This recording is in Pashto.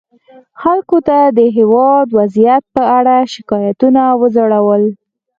خلکو د خپل هېواد وضعیت په اړه شکایتونه وځړول.